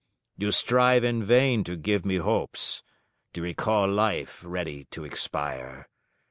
You strive in vain to give me hopes, to recall life ready to expire.